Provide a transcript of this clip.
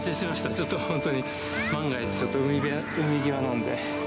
ちょっと本当に、万が一、海際なんで。